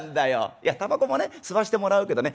いや煙草もね吸わしてもらうけどね